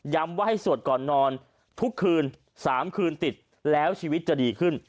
ว่าให้สวดก่อนนอนทุกคืน๓คืนติดแล้วชีวิตจะดีขึ้น